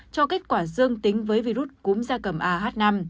cho kết quả dương tính với virus cúm da cầm ah năm